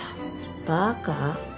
バカ？